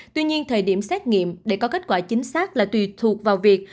tuy nhiên thời điểm xét nghiệm để có kết quả chính xác là tùy thuộc vào việc